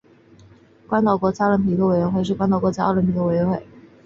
关岛国家奥林匹克委员会是关岛的国家奥林匹克委员会。